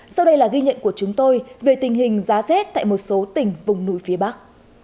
sau đây là ghi nhận của chúng tôi về tình hình giá rét tại một số tỉnh vùng núi phía bắc